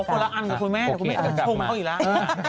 เราคนละอื่นกับผมไม่ต้องทุกคนชมเขาอีกแล้ว